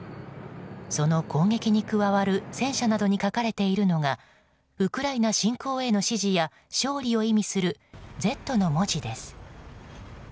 その攻撃に加わる戦車などに書かれているのがウクライナ侵攻への指示や勝利を意味する「Ｚ」の文字です。